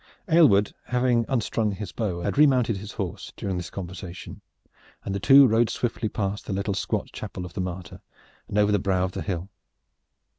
Aylward, having unstrung his bow, had remounted his horse during this conversation, and the two rode swiftly past the little squat Chapel of the Martyr and over the brow of the hill.